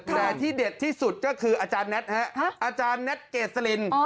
แต่ที่เด็ดที่สุดก็คืออาจารย์แนะ๊ดเกษลิน